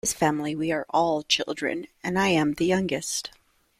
In this family we are all children, and I am the youngest.